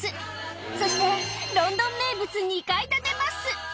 そして、ロンドン名物、２階建てバス。